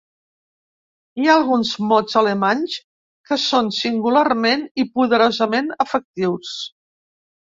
Hi ha alguns mots alemanys que són singularment i poderosament efectius.